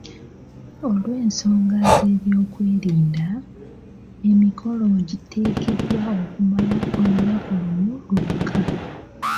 Olw'ensonga z'ebyokwerinda, emikolo giteekeddwa okumala olunaku lumu lwokka.